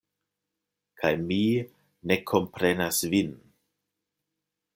Kaj mi ne komprenas vin.